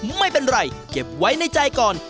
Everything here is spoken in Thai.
ไม่เป็นไรเก็บไว้ในใจก่อน